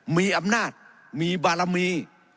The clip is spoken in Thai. มีอำนาจมีบารมี